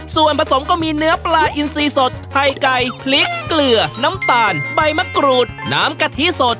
ส่วนผสมก็มีเนื้อปลาอินซีสดไข่ไก่พริกเกลือน้ำตาลใบมะกรูดน้ำกะทิสด